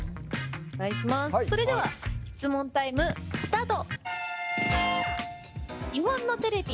それでは質問タイムスタート！